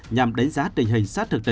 nhằm đánh giá tình hình sars thực tế hơn